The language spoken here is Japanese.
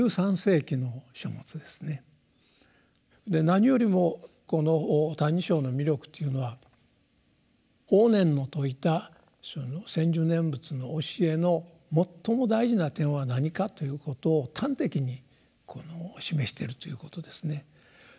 何よりもこの「歎異抄」の魅力というのは法然の説いたその「専修念仏」の教えの最も大事な点は何かということを端的に示しているということですね。